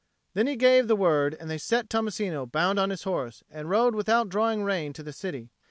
Then he gave the word, and they set Tommasino bound on his horse, and rode without drawing rein to the city.